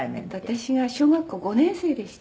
「私が小学校５年生でした」